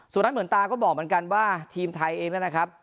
นั้นเหมือนตาก็บอกเหมือนกันว่าทีมไทยเองนะครับ